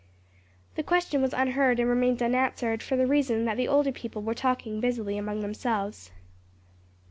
The question was unheard and remained unanswered; for the reason that the older people were talking busily among themselves.